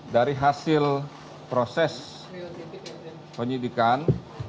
dari hasil proses penyidikan